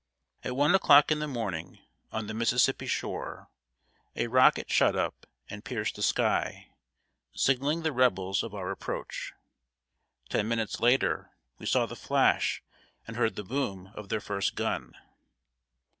] At one o'clock in the morning, on the Mississippi shore, a rocket shot up and pierced the sky, signaling the Rebels of our approach. Ten minutes later, we saw the flash and heard the boom of their first gun.